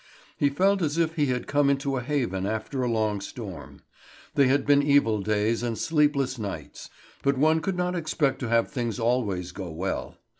He felt as if he had come into a haven after a long storm. They had been evil days and sleepless nights; but one could not expect to have things always go well.